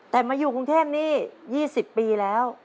แต่มาอยู่กรุงเทพนี่๒๐ปีแล้ว